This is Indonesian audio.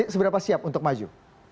seberapa siap untuk maju